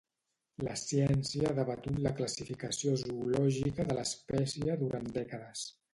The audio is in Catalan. La ciència ha debatut la classificació zoològica de l'espècie durant dècades.